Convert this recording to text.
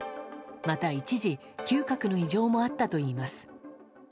また、一時嗅覚の異常もあったといいます。